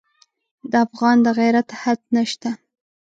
د افغان د غیرت حد نه شته.